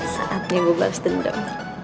saatnya gue bales dendam